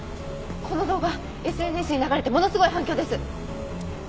この動画ＳＮＳに流れてものすごい反響です！